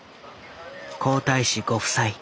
皇太子ご夫妻